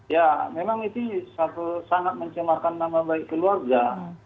ya memang itu sangat mencemarkan nama baik keluarga